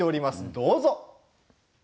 どうぞ。